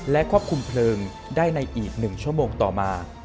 และควบคุมเพลิงได้ในอีก๑ชั่วโมงต่อมา